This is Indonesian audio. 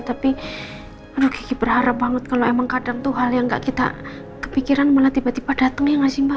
tapi berharap banget kalau emang kadang tuh hal yang gak kita kepikiran malah tiba tiba datang ya nggak sih mbak